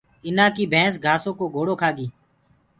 اُنآ ڪي ڀينس گھآسو ڪو گھوڙو کآگي۔